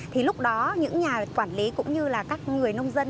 thì lúc đó những nhà quản lý cũng như là các người nông dân